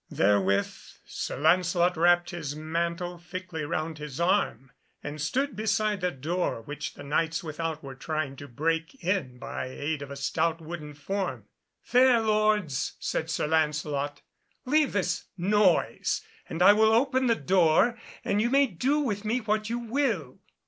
Therewith Sir Lancelot wrapped his mantle thickly round his arm, and stood beside the door, which the Knights without were trying to break in by aid of a stout wooden form. "Fair Lords," said Sir Lancelot, "leave this noise, and I will open the door, and you may do with me what you will."